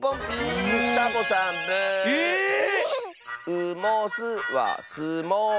「う・も・す」は「す・も・う」。